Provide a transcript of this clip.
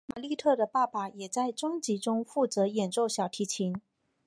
玛莉特的爸爸也在专辑中负责演奏小提琴。